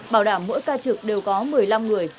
bảo đảm mỗi ca trực đều có một mươi năm người